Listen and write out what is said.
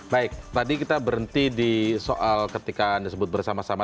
baik tadi kita berhenti di soal ketika disebut bersama sama